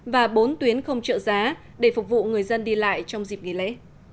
và bốn tuyến không trợ giá để phục vụ người dân đi lại trong dịp nghỉ lễ